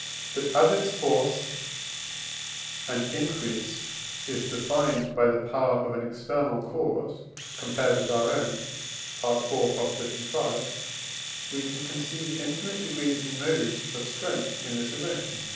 But, as its force and increase is defined by the power of an external cause compared with our own (IV. v.), we can conceive infinite degrees and modes of strength in this emotion (IV.